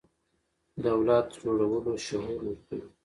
دولت جوړولو شعور ورکوي.